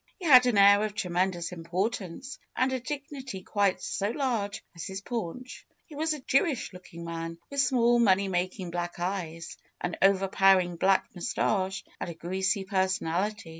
He had an air of tremendous importance and a dignity quite so large as his paunch. He was a J ewish looking man, with small, money making black eyes, an overpowering black mus tache, and a greasy personality.